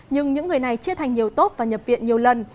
nhưng những người này chia thành nhiều tốt và nhập viện nhiều lần